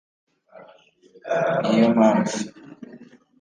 ni yo mpamvu